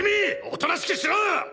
おとなしくしろッ！！